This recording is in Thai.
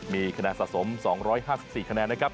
มีคะแนนสะสม๒๕๔คะแนนนะครับ